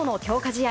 試合